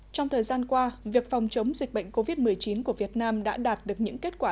trong thời gian qua việc phòng chống dịch bệnh covid một mươi chín của việt nam đã đạt được những kết quả